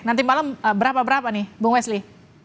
nanti malam berapa berapa nih bung wesli